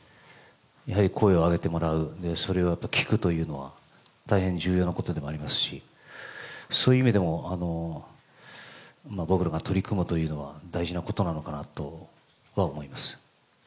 やはり声を上げてもらう、それを聞くというのは大変重要なことでもありますし、そういう意味でも、僕らが取り組むというのは大事なことなのかなとは思います。